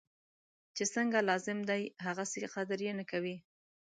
چی څنګه لازم دی هغسې قدر یې نه کوي.